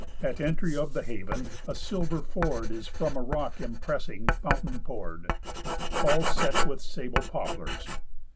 At entry of the haven, a silver ford Is from a rock impressing fountain pour'd, All set with sable poplars.